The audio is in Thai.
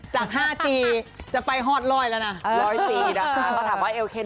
จาก๕จีนจะไปฮอตรอยแล้วนะ